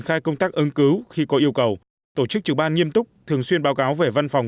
thức các ứng cứu khi có yêu cầu tổ chức chủ ban nghiêm túc thường xuyên báo cáo về văn phòng